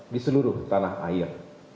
di seluruh tanah air